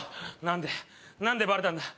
何で何でバレたんだ？